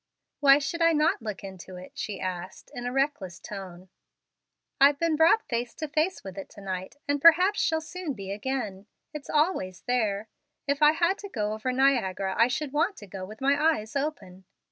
"Why should I not look into it?" she asked, in a reckless tone. "I've been brought face to face with it to night, and perhaps shall soon be again. It's always there. If I had to go over Niagara, I should want to go with my eyes open."